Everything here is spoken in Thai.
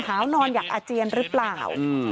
หาวนอนอย่างอาเจียนหรือเปล่า